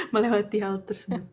melewati hal tersebut